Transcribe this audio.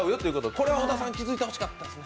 これは小田さんに気づいてほしかったですね。